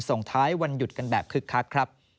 ส่งท้ายวันหยุดกันแบบคึกคักครับ